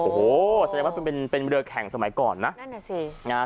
โอ้โหแสดงว่าเป็นเรือแข่งสมัยก่อนนะ